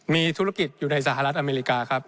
มีธุรกิจอยู่ในสหรัฐอเมริกาครับ